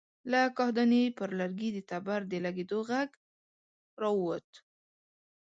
له کاهدانې پر لرګي د تبر د لګېدو غږ را ووت.